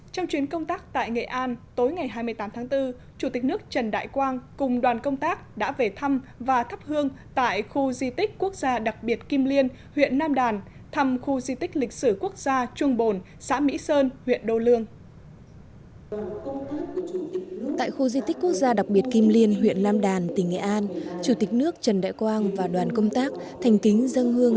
trong chuyến công tác tại nghệ an tối ngày hai mươi tám tháng bốn chủ tịch nước trần đại quang cùng đoàn công tác đã về thăm và thắp hương tại khu di tích quốc gia đặc biệt kim liên huyện nam đàn thăm khu di tích lịch sử quốc gia trung bồn xã mỹ sơn huyện đô lương